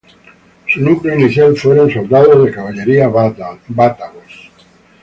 Su núcleo inicial fueron soldados de caballería bátavos.